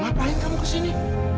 ngapain kamu kesini